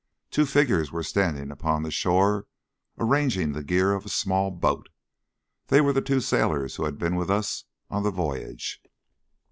Two figures were standing upon the shore arranging the gear of a small boat. They were the two sailors who had been with us on the voyage.